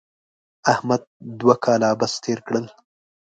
احمد دوه کاله عبث تېر کړل.